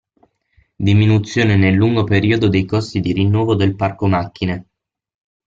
Diminuzione nel lungo periodo dei costi di rinnovo del parco macchine.